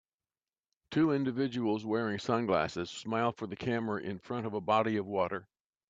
Two individuals wearing sunglasses smile for the camera in front of a body of water.